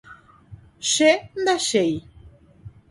Che ndachéi.